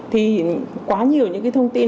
thì quá nhiều những thông tin